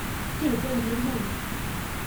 Que le poète vienne donc !